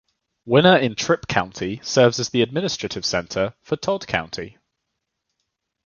Winner in Tripp County serves as the administrative center for Todd County.